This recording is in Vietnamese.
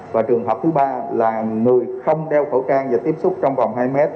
và trường hợp thứ ba là người không đeo khẩu trang và tiếp xúc trong vòng hai m